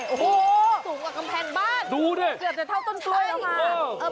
โอ้โฮสูงกว่ากำแพงบ้านเกือบแต่เท่าต้นกล้วยล่ะค่ะ